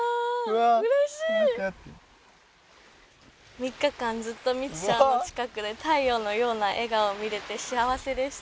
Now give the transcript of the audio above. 「３日間ずっとミチちゃんの近くで太陽のような笑顔を見れて幸せでした」